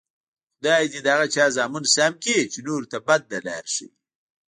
خدای دې د هغه چا زامن سم کړي، چې نورو ته بده لار ښیي.